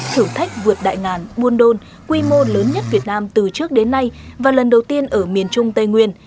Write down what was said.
thử thách vượt đại ngàn buôn đôn quy mô lớn nhất việt nam từ trước đến nay và lần đầu tiên ở miền trung tây nguyên